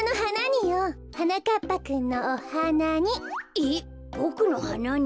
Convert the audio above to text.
えっボクのはなに？